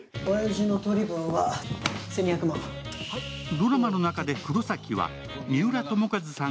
ドラマの中で黒崎は三浦友和さん